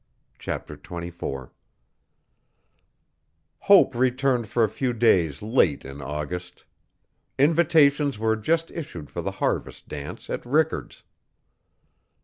Chapter 24 Hope returned for a few days late in August. Invitations were just issued for the harvest dance at Rickard's.